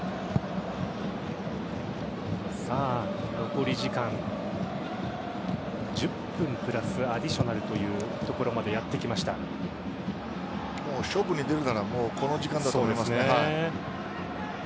残り時間１０分プラスアディショナルというところまで勝負に出るならこの時間だと思いますね。